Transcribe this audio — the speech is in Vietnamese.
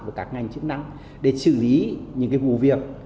và các ngành chức năng để xử lý những cái vụ việc